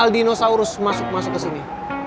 dinosaurus masuk masuk kesini